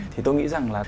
thì tôi nghĩ rằng là